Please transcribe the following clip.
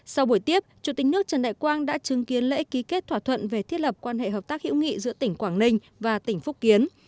sau buổi tiếp chủ tịch nước trần đại quang đã chứng kiến lễ ký kết thỏa thuận về thiết lập quan hệ hợp tác hữu nghị giữa tỉnh quảng ninh và tỉnh phúc kiến